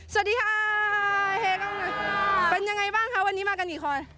สวัสดีค่ะเป็นยังไงบ้างคะวันนี้มากันกี่คน